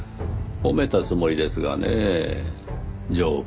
褒めたつもりですがねぇ丈夫な体を。